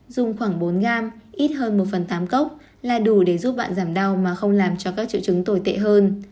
dùng khoảng bốn gram ít hơn một phần tám cốc là đủ để giúp bạn giảm đau mà không làm cho các triệu chứng tồi tệ hơn